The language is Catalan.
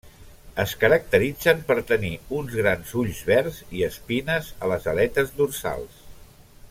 Es caracteritzen per tenir uns grans ulls verds i espines a les aletes dorsals.